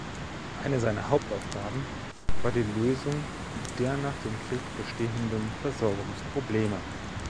Eine seiner Hauptaufgaben war die Lösung der nach dem Krieg bestehenden Versorgungsprobleme.